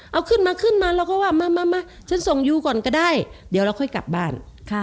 เอาขึ้นมาขึ้นมาเราก็ว่ามาฉันส่งยูก่อนก็ได้เดี๋ยวเราค่อยกลับบ้าน